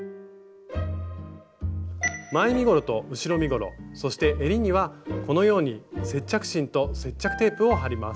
前身ごろと後ろ身ごろそしてえりにはこのように接着芯と接着テープを貼ります。